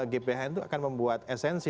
gbhn itu akan membuat esensi